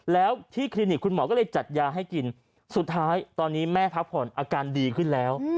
แล้วที่คลินิกคุณหมอก็เลยจัดยาให้กินสุดท้ายตอนนี้แม่พักผ่อนอาการดีขึ้นแล้ว